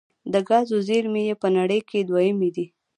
د ګازو زیرمې یې په نړۍ کې دویمې دي.